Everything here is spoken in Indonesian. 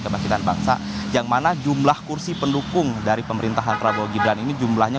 kebangkitan bangsa yang mana jumlah kursi pendukung dari pemerintahan prabowo gibran ini jumlahnya